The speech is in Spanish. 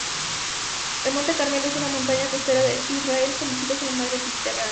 El Monte Carmelo es una montaña costera en Israel con vistas al mar Mediterráneo.